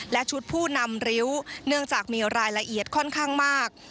และชุดผู้นำริ้วเนื่องจากมีรายละเอียดค่อนข้างมาก